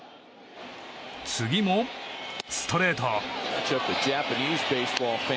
次もストレート。